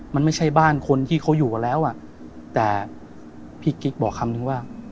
มันไม่ใช่บ้านคนที่เขาอยู่กันแล้วอ่ะแต่พี่กิ๊กบอกคำนึงว่า